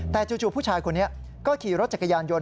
แต่จู่ผู้ชายคนนี้ก็ขี่รถจักรยานยนต